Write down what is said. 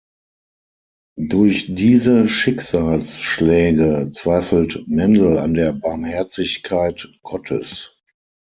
Durch diese Schicksalsschläge zweifelt Mendel an der Barmherzigkeit Gottes.